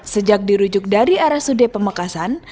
sejak dirujuk dari rsud pemekasan